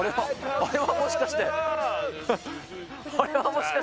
あれはもしかして？